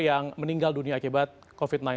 yang meninggal dunia akibat covid sembilan belas